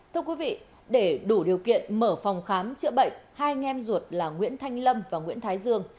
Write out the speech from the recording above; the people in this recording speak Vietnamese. thưa quý vị để đủ điều kiện mở phòng khám chữa bệnh hai anh em ruột là nguyễn thanh lâm và nguyễn thái dương